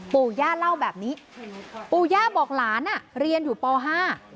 ปู่ย่าเล่าแบบนี้ปู่ย่าบอกหลานอ่ะเรียนอยู่ปห้า